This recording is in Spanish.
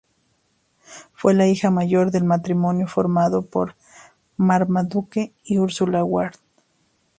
Fue la hija mayor del matrimonio formado por Marmaduke y Úrsula Ward.